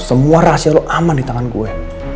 semua rahasia lo aman di tangan gue